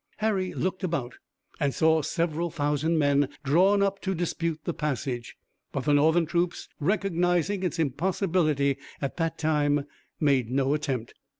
Harry looked about, and saw several thousand men drawn up to dispute the passage, but the Northern troops recognizing its impossibility at that time, made no attempt.